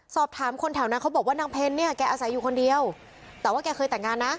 สอบถามคนแถวนั้นเขาบอกว่านางเพลเนี่ยแกอาศัยอยู่คนเดียวแต่ว่าแกเคยแต่งงานนะ